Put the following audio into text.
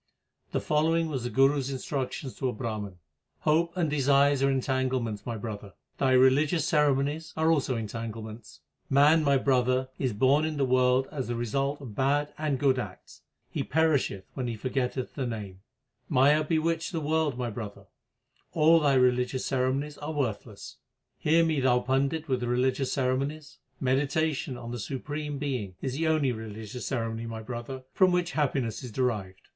The following was the Guru s instruction to a Brahman : Hopes and desires are entanglements, my brother ; thy religious ceremonies are also entanglements. 1 The dumb man eating sweets enjoys a pleasure which is incom municable. HYMNS OF GURU NANAK 335 Man, my brother, is born in the world as the result of bad and good acts ; l he perisheth when he forgetteth the Name. Maya bewitcheth the world, my brother ; all thy religious ceremonies are worthless. Hear me, thou Pandit with the religious ceremonies Meditation on the Supreme Being is the only religious ceremony, my brother, from which happiness is derived.